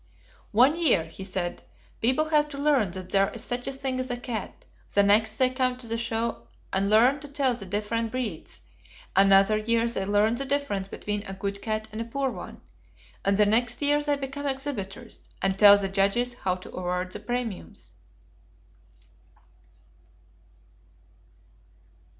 "One year," he said, "people have to learn that there is such a thing as a cat; the next they come to the show and learn to tell the different breeds; another year they learn the difference between a good cat and a poor one; and the next year they become exhibitors, and tell the judges how to award the premiums."